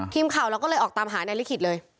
ทีมข่าวเราก็เลยออกตามหานายลิขิตเลย